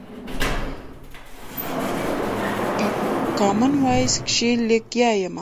په کامن وايس کښې لګيا ىمه